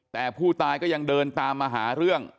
แต่ผู้ตายก็ยังเดินตามมาหาเรื่อง